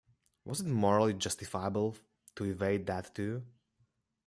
Was it morally justifiable to evade that too?